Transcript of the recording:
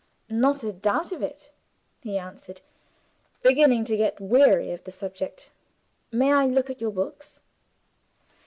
"Not a doubt of it," he answered, beginning to get weary of the subject. "May I look at your books?"